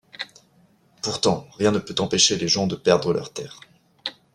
Pourtant, rien ne peut empêcher les gens de perdre leur terres.